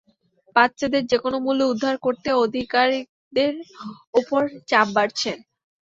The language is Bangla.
বাচ্চাদের যেকোনো মূল্যে উদ্ধার করতে আধিকারিকদের ওপর চাপ বাড়ছে।